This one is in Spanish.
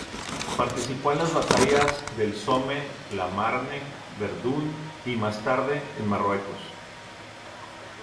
Participó en las batallas del Somme, la Marne, Verdún y, más tarde, en Marruecos.